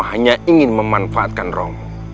hanya ingin memanfaatkan romo